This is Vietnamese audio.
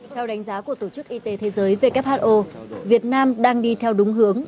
theo đánh giá của tổ chức y tế thế giới who việt nam đang đi theo đúng hướng